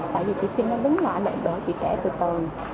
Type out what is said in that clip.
tại vì chị trinh đang đứng lại đợi chị trả từ từ